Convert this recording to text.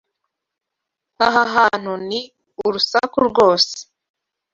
Aha hantu ni urusaku rwose.